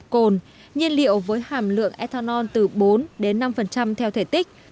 côn nhiên liệu với hàm lượng ethanol từ bốn năm theo thể tích